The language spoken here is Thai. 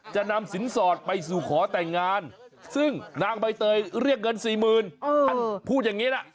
จะนำสินสอดไปสู่ขอแต่งงานซึ่งนางใบเตยเรียกเงินสี่หมื่นท่านพูดอย่างนี้นะ